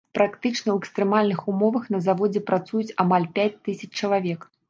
Практычна ў экстрэмальных умовах на заводзе працуюць амаль пяць тысяч чалавек.